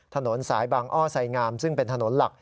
ถนนสายบางอ้อไสงามซึ่งเป็นถนนหลัก